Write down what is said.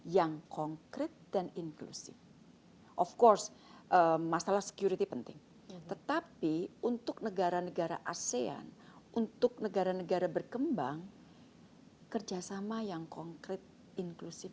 yang konkret dan inklusif of course masalah security penting tetapi untuk negara negara asean untuk negara negara berkembang kerjasama yang konkret inklusif